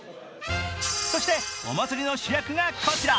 そして、お祭りの主役がこちら。